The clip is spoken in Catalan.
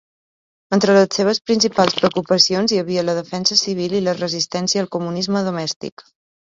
Entre les seves principals preocupacions hi havia la defensa civil i la resistència al comunisme domèstic.